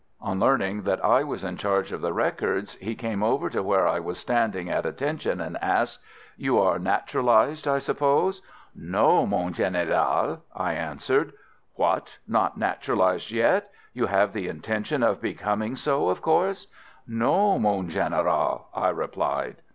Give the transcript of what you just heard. On learning that I was in charge of the records, he came over to where I was standing at "attention," and asked: "You are naturalised, I suppose?" "No, mon Général," I answered. "What! not naturalised yet! You have the intention of becoming so, of course?" "No, mon Général," I replied.